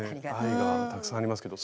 愛がたくさんありますけど。